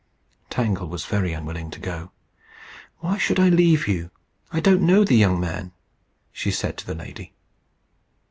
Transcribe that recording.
Tangle was very unwilling to go. "Why should I leave you? I don't know the young man," she said to the lady.